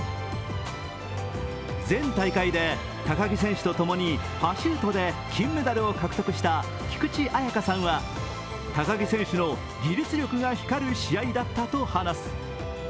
前大会で高木選手とともにパシュートで金メダルを獲得した菊池彩花さんは高木選手の技術力が光る試合だったと話す。